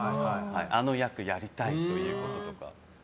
あの役やりたいということとか。